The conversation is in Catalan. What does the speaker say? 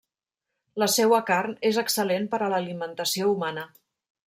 La seua carn és excel·lent per a l'alimentació humana.